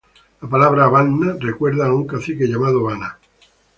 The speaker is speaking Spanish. La palabra Banna recuerda a un cacique llamado Bana.